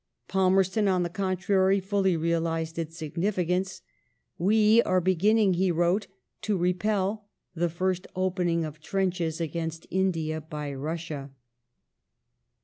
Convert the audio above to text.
Palmerston, on the contrary, fully realized its significance. " We are beginning," he wrote, " to repel the first opening of trenches against India by Russia."